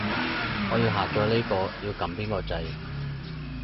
我要下載呢個，要撳邊個掣